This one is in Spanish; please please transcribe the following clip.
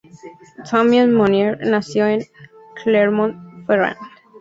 Damien Monier nació en Clermont Ferrand.